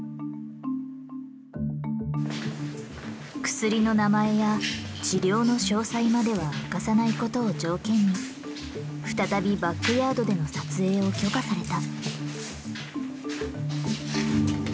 薬の名前や治療の詳細までは明かさないことを条件に再びバックヤードでの撮影を許可された。